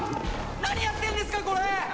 何やってんですかこれ！